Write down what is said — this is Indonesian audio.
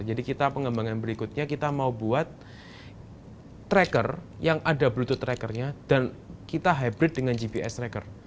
jadi pengembangan berikutnya kita mau buat tracker yang ada bluetooth trackernya dan kita hybrid dengan gps tracker